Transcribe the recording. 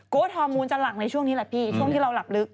ฮอร์มูลจะหลั่งในช่วงนี้แหละพี่ช่วงที่เราหลับลึก